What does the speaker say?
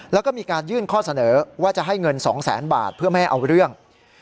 แล้วก็มีการยื่นข้อเสนอว่าจะให้เงิน๒แสนบาทเพื่อไม่ให้เอาเรื่อง